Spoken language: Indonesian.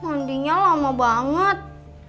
mandinya lama banget